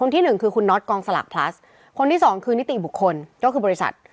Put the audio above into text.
ที่หนึ่งคือคุณน็อตกองสลากพลัสคนที่สองคือนิติบุคคลก็คือบริษัท